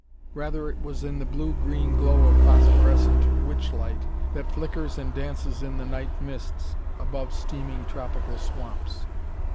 Rather was it the blue green glow of phosphorescent witch light that flickers and dances in the night mists above steaming tropical swamps.